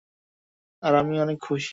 আর আমিও অনেক খুশি।